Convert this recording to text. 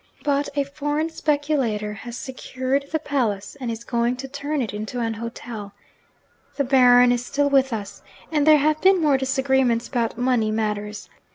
But a foreign speculator has secured the palace, and is going to turn it into an hotel. The Baron is still with us, and there have been more disagreements about money matters.